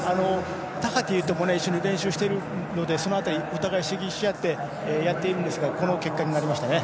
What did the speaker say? タハティとも一緒に練習し合っているのでその辺り、お互いに刺激し合ってやっていますがこの結果になりました。